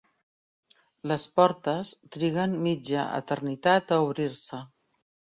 Les portes triguen mitja eternitat a obrir-se.